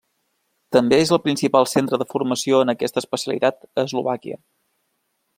També és el principal centre de formació en aquesta especialitat a Eslovàquia.